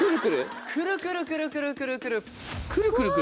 クルクルクルクルクル。